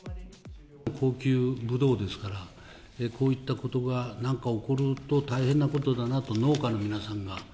高級ぶどうですから、こういったことがなんか起こると大変なことだなと、農家の皆さんが。